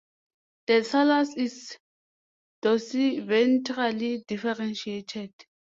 The thallus is dorsiventrally differentiated.